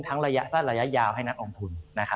ทั้งระยะสั้นระยะยาวให้นักออกทุน